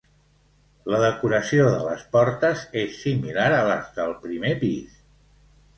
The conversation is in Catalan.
La decoració de les portes és similar a les del primer pis.